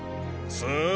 さあ？